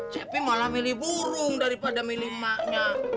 cepi malah milih burung daripada milih emaknya